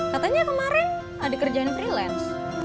katanya kemarin ada kerjaan freelance